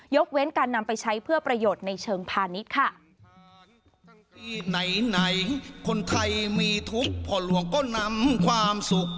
เว้นการนำไปใช้เพื่อประโยชน์ในเชิงพาณิชย์ค่ะ